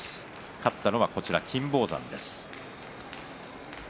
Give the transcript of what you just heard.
勝ったのは金峰山です。